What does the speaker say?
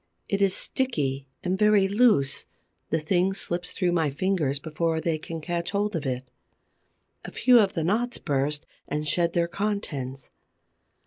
It is sticky and very loose; the thing slips through my fingers before they can catch hold of it. A few of the knots burst and shed their contents.